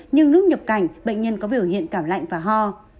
nhưng lúc nhập cảnh bệnh nhân có biểu hiện cảm lạnh và ho